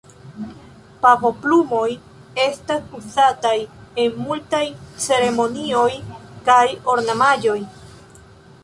Pavoplumoj estas uzataj en multaj ceremonioj kaj ornamaĵoj.